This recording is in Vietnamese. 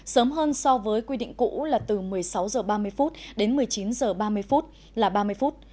sớm hơn so với quy định cũ là từ một mươi sáu h ba mươi đến một mươi chín h ba mươi là ba mươi phút